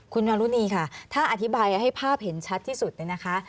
คุณนรุณีค่ะถ้าอธิบายให้ภาพเห็นชัดที่สุดเนี่ยนะคะ